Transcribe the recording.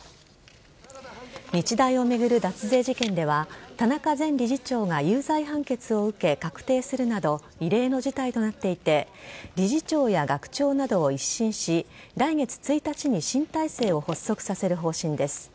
日大を巡る脱税事件では田中前理事長が有罪判決を受け確定するなど異例の事態となっていて理事長や学長などを一新し来月１日に新体制を発足させる方針です。